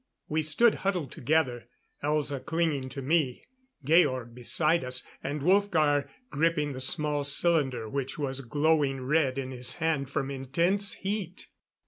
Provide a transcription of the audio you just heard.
We stood huddled together; Elza clinging to me, Georg beside us, and Wolfgar, gripping the small cylinder which was glowing red in his hand from intense heat.